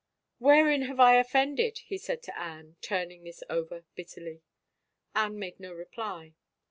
" Wherein have I offended ?" he said to Anne, turning this over bitterly. Anne made no reply.